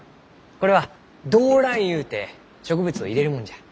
これは胴乱ゆうて植物を入れるもんじゃ。